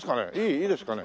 いいですかね